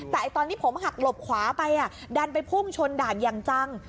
แต่ตอนที่ผมหักหลบขวาไปดันไปพุ่งชนด่านอย่างจัง